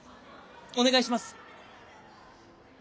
お願いします！